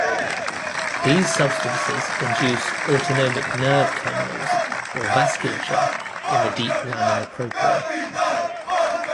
These substances induce autonomic nerve terminals or vasculature in the deep lamina propria.